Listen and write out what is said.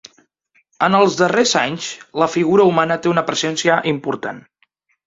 En els darrers anys la figura humana té una presència important.